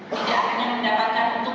tidak hanya mendapatkan untuk